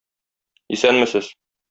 Исәнмесез.